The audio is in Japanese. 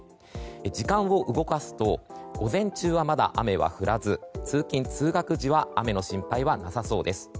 時間を動かすと午前中はまだ雨は降らず通勤・通学時は雨の心配はなさそうです。